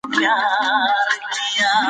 انټرنېټ د نړۍ خلکو ته اړیکه برابروي.